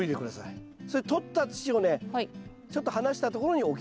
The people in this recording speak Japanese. それ取った土をねちょっと離したところに置きます。